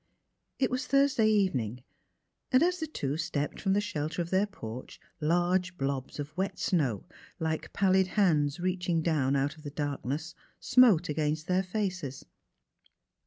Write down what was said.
It was Thursday evening, and as the two stepped from the shelter of their porch large blobs of wet snow, like pallid hands reaching down out 33 34 THE HEART OF PHILURA of the darkness, smote against tlieir faces.